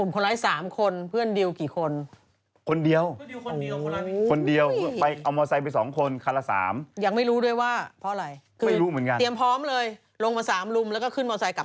ไม่ต้องห่วงหรอก